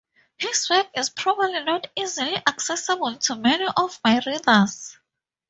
His work is probably not easily accessible to many of my readers.